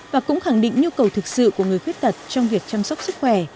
và cũng khẳng định nhu cầu thực sự của người khuyết tật trong việc chăm sóc sức khỏe